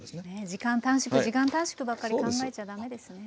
時間短縮時間短縮ばっかり考えちゃだめですね。